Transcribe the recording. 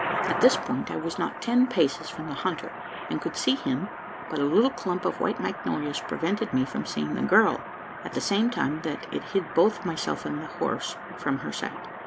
At this point I was not ten paces from the hunter, and could see him; but a little clump of white magnolias prevented me from seeing the girl at the same time that it hid both myself and horse from her sight.